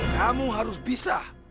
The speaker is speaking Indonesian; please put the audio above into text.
kamu harus bisa